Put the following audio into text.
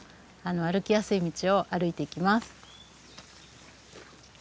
歩きやすい道を歩いていきます。